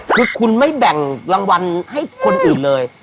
คือคุณไม่แบ่งรางวัลให้คนอื่นเลย